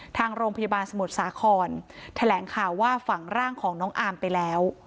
ทางโรงพยาบาลสมุทรสาครแถลงข่าวว่าฝังร่างของน้องอามไปแล้ว